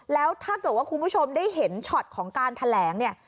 แล้วถ้าเกิดว่าคุณผู้ชมได้เห็นช็อตของการแถลงเนี่ย